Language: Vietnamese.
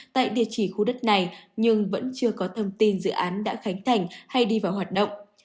tại địa chỉ khu đất này nhưng vẫn chưa có thông tin dự án đã khánh thành hay đi vào hoạt động